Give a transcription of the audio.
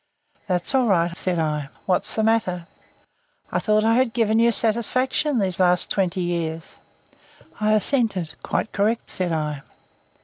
"That's all right," said I. "What's the matter?" "I thought I had given you satisfaction these last twenty years." I assented. "Quite correct," said I.